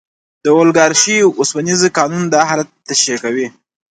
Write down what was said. د اولیګارشۍ اوسپنیز قانون دا حالت تشریح کوي.